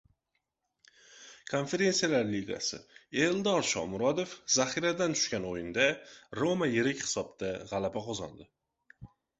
Konferensiyalar Ligasi. Eldor Shomurodov zaxiradan tushgan o‘yinda “Roma” yirik hisobda g‘alaba qozondi